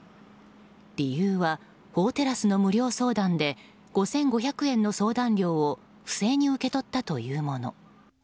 理由は法テラスの無料相談で５５００円の相談料を不正に受け取ったというもの。